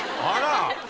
あら⁉